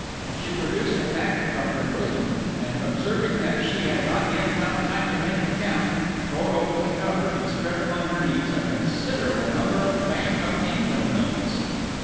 She produced a packet from her bosom; and observing that she had not yet found time to make the count, tore open the cover and spread upon her knees a considerable number of Bank of England notes.